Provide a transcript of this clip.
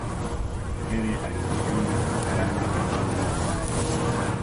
nyerere aliwapinga hadharani viongozi wabaya